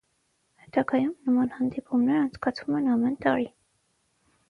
Հետագայում նման հանդիպումներ անցկացվում են ամեն տարի։